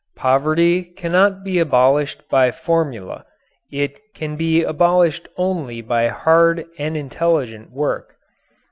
Poverty cannot be abolished by formula; it can be abolished only by hard and intelligent work.